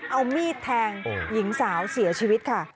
เอามีดแทงหญิงสาวเสียชีวิตค่ะ